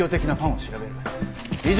以上！